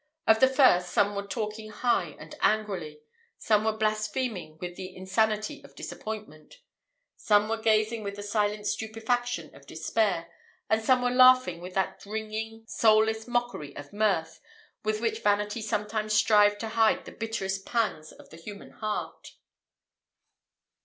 Of the first, some were talking high and angrily; some were blaspheming with the insanity of disappointment; some were gazing with the silent stupefaction of despair, and some were laughing with that wringing, soulless mockery of mirth, with which vanity sometimes strives to hide the bitterest pangs of the human heart.